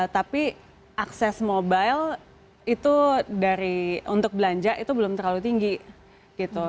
tapi akses mobile itu dari untuk belanja itu belum terlalu tinggi gitu